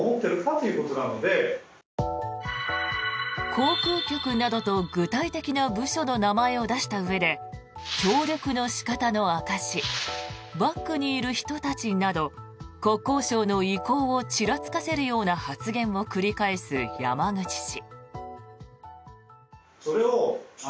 航空局などと具体的な部署の名前を出し合わせてうえで協力の仕方の証しバックにいる人たちなど国交省の威光をちらつかせるような発言を繰り返す山口氏。